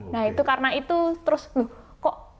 nah itu karena itu terus kok